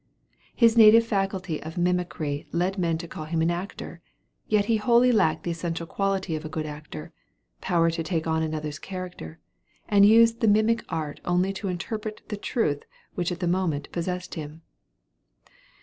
His native faculty of mimicry led men to call him an actor, yet he wholly lacked the essential quality of a good actor, power to take on another's character, and used the mimic art only to interpret the truth which at the moment possessed him.